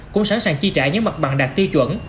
cũng sẵn sàng chi trả những mặt bằng đạt tiêu chuẩn